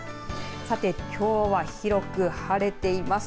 さて、きょうは広く晴れています。